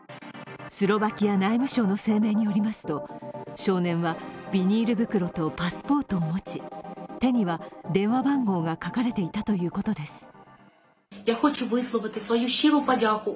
スロバキア内務省の声明によりますと少年はビニール袋とパスポートを持ち手には電話番号が書かれていたということです。